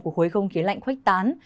của khối không khí lạnh khuếch tán